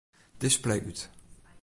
Display út.